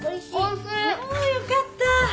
およかった。